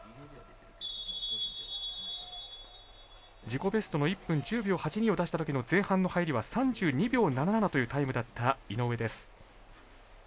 自己ベストの１分１０秒８２を出したときの前半の入りは３２秒７７というタイムだった井上です。